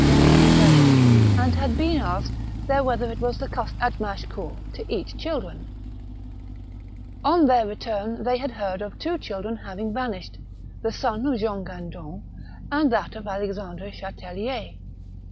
Jean d'Angely, and had been asked 13—2 196 THE BOOK OF WERE WOLVES. there whether it was the custom at Machecoul to eat children. On their return they had heard of two chil dren having vanished — the son of Jean Gendron, and that of Alexandre Chatellier.